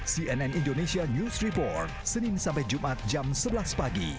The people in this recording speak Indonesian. cnn indonesia news report senin sampai jumat jam sebelas pagi